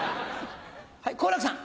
はい好楽さん。